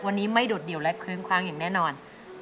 วันนี้ไม่โดดเดี่ยวและคลื้มคว้างอย่างแน่นอน